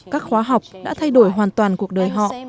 các khóa học đã thay đổi hoàn toàn cuộc đời họ